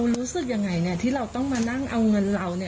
รู้สึกยังไงที่เราต้องมานั่งเอาเงินเรา